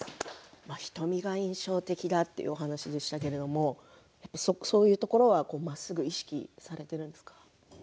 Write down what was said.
瞳が印象的だという話でしたけどそういうところはまっすぐ意識されているんですか。